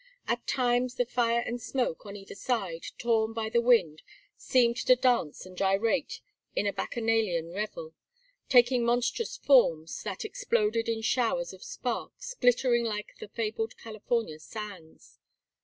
At times the fire and smoke, on either side, torn by the wind, seemed to dance and gyrate in a Bacchanalian revel, taking monstrous forms, that exploded in showers of sparks, glittering like the fabled California sands.